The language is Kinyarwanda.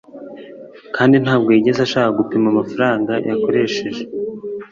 kandi ntabwo yigeze ashaka gupima amafaranga yakoresheje